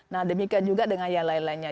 nah demikian juga dengan yang lain lainnya